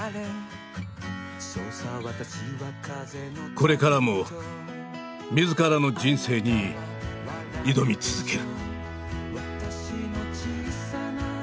これからも自らの人生に挑み続ける。